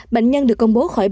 bệnh nhân được công bố khỏi bệnh